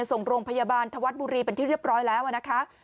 ส่งโรงพยาบาลธวัฒน์บุรีเป็นที่เรียบร้อยแล้วนะคะ